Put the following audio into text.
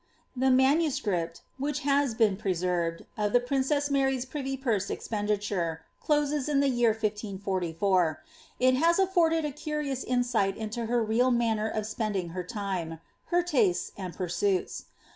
The manuscript, wliich has been preserved, of the princess Mary's privy purse expenditure, closes with the year 1344; it has afforded a curious insight into her real manner of spending her time, her tastes, and pursuits.